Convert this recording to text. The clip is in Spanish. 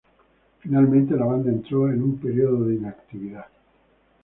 Finalmente, la banda entró en un periodo de inactividad.